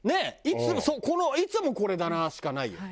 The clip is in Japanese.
いつもそう「いつもこれだな」しかないよ。